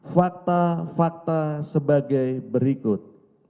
fakta fakta sebagai berikut